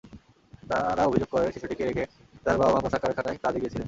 তাঁরা অভিযোগ করেন, শিশুটিকে রেখে তাঁর বাবা-মা পোশাক কারখানায় কাজে গিয়েছিলেন।